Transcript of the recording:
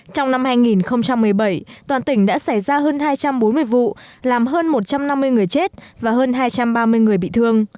trong năm hai nghìn một mươi bảy toàn tỉnh đã xảy ra hơn hai trăm bốn mươi vụ làm hơn một trăm năm mươi người chết và hơn hai trăm ba mươi người bị thương